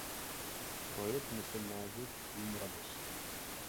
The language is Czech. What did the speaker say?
Projekt nese název dům Radost.